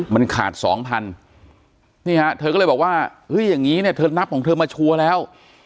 มันขาด๒๐๐๐นี่ฮะเธอก็เลยบอกว่าเอออย่างงี้เธอนับของเธอมาชัวร์แล้ว